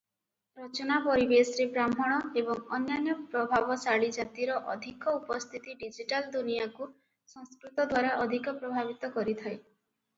ରଚନା ପରିବେଶରେ ବ୍ରାହ୍ମଣ ଏବଂ ଅନ୍ୟାନ୍ୟ ପ୍ରଭାବଶାଳୀ ଜାତିର ଅଧିକ ଉପସ୍ଥିତି ଡିଜିଟାଲ ଦୁନିଆକୁ ସଂସ୍କୃତ ଦ୍ୱାରା ଅଧିକ ପ୍ରଭାବିତ କରିଥାଏ ।